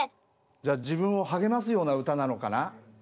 じゃあ自分を励ますような歌なのかな？